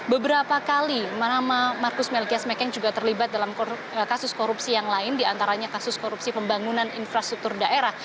beberapa kali nama markus melgias mekeng juga terlibat dalam kasus korupsi yang lain diantaranya kasus korupsi pembangunan infrastruktur daerah